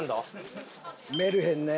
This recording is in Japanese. メルヘンね。